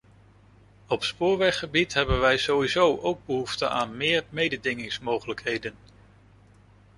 Op spoorweggebied hebben wij sowieso ook behoefte aan meer mededingingsmogelijkheden.